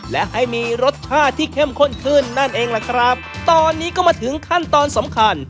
และให้มีรสชาติที่เข้มข้นขึ้นนั่นเองล่ะครับตอนนี้ก็มาถึงขั้นตอนสำคัญ